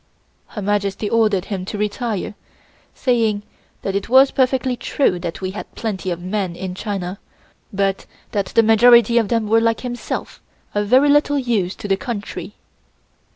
Her Majesty ordered him to retire, saying that it was perfectly true that we had plenty of men in China, but that the majority of them were like himself, of very little use to the country.